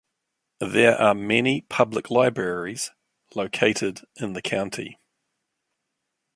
There are many public libraries located in the county.